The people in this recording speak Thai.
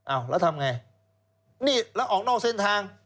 อ้าวแล้วทำไงนี่แล้วออกนอกเส้นทาง